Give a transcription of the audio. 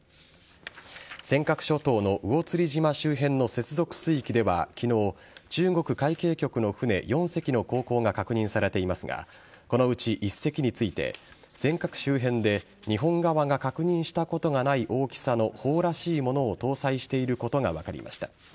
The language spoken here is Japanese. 尖閣諸島の魚釣島周辺の接続水域では昨日、中国海警局の船４隻の航行が確認されていますがこのうち、１隻について尖閣周辺で日本側が確認したことがない大きさの砲らしいものを搭載していることが分かりました。